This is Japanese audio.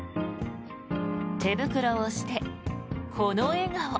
手袋をして、この笑顔。